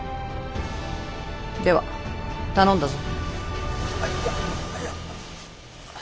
では頼んだぞ。